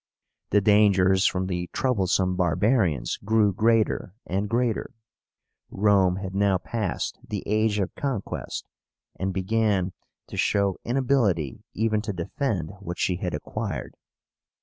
The dangers from the troublesome barbarians grew greater and greater. Rome had now passed the age of conquest, and began to show inability even to defend what she had acquired.